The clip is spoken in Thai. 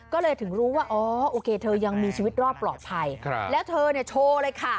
ก็เลยถึงรู้ว่าอ๋อโอเคเธอยังมีชีวิตรอดปลอดภัยแล้วเธอเนี่ยโชว์เลยค่ะ